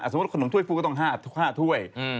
สมมติถุกขนมถ้วยฟูลก็ต้อง๕ถ้วย